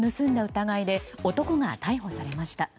疑いで男が逮捕されました。